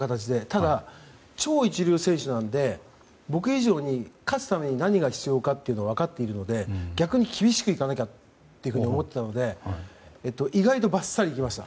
ただ超一流選手なので僕以上に勝つために何が必要かというのは分かっているので逆に厳しくいかなきゃと思っていたので意外とバッサリいきました。